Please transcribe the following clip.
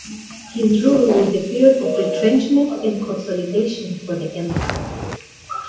His rule was a period of retrenchment and consolidation for the Empire.